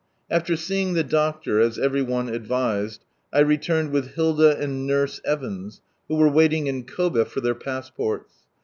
After seeing the doctor, as every one advised, I returned with Hilda and Nurse Evans, who were waiting in Kob£ for their pass ports.